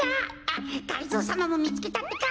あっがりぞーさまもみつけたってか。